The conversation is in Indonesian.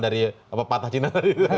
dari pepatah cina